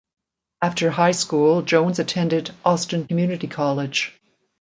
After high school, Jones attended Austin Community College.